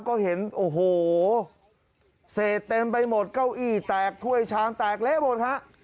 ก็เห็นโอ้โหเศษเต็มไปหมดเก้าอี้แตกถ้วยชามแตกเละหมดฮะ